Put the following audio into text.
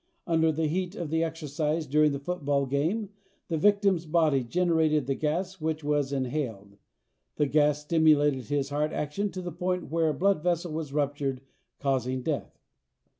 Under the heat of the exercise during the football game the victim's body generated the gas which he inhaled. The gas stimulated his heart action to the point where a blood vessel was ruptured causing death.